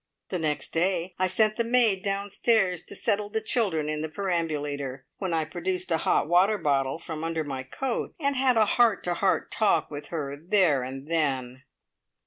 The next day I sent the maid downstairs to settle the children in the perambulator, when I produced a hot water bottle from under my coat, and had a heart to heart talk with her there and then.